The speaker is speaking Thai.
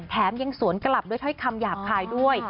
แถมยังสวนกลับด้วยถ้าให้คำหยาบคลายด้วย